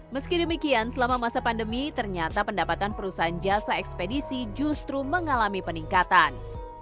meski demikian selama masa pandemi ternyata pendapatan perusahaan jasa ekspedisi justru mengalami peningkatan